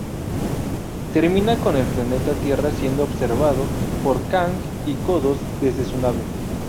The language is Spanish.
Termina con el planeta Tierra siendo observado por Kang y Kodos desde su nave.